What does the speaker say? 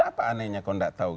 apa anehnya kalau gak tau